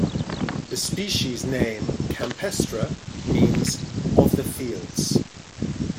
The species name "campestre" means "of the fields".